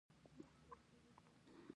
د زخم د وینې بندولو لپاره څه شی وکاروم؟